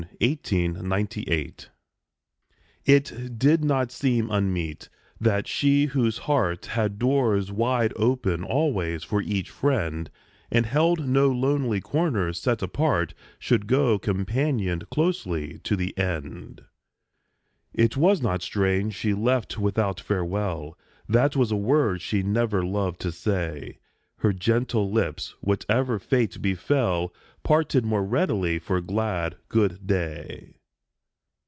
C. A. V. C. [JUNE, 1898] IT did not seem unmeet that she whose heart Had doors wide open always for each friend, And held no lonely corners set apart, Should go, companioned closely, to the end. It was not strange she left without farewell ; That was a word she never loved to say. Her gentle lips, whatever fate befell, Parted more readily for glad " Good day."